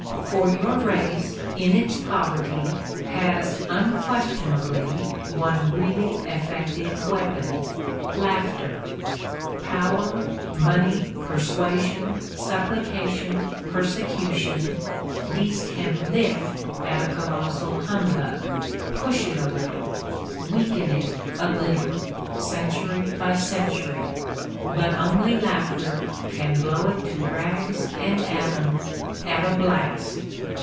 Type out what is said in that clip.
For your race, in its poverty, has unquestionably one really effective weapon — laughter. Power, money, persuasion, supplication, persecution — these can lift at a colossal humbug — push it a little — weaken it a little, century by century; but only laughter can blow it to rags and atoms at a blast.